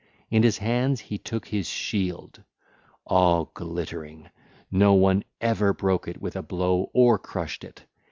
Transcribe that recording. (ll. 139 153) In his hands he took his shield, all glittering: no one ever broke it with a blow or crushed it.